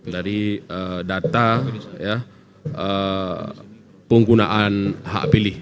dari data penggunaan hak pilih